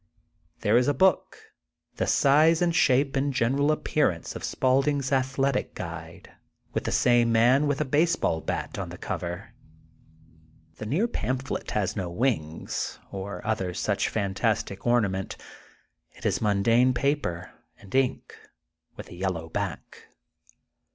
There is a book, the size and shape and general appearance of Spaulding's Athletic Guide, with the same man with a baseball bat, on the cover. The THE GOLDEN BOOK OF SPRINGFIELD M near pampUet has no wing9 or other snoh fantastic ornament It is mundane paper and ink, with a yellow back.